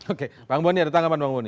oke bang boni ada tanggapan bang boni